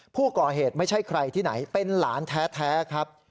ผู้ก่อเหตุไม่ใช่ใครที่ไหนเป็นหลานแท้ครับ